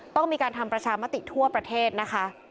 ต้องมีการทำประชามติทั่วประเทศนะคะ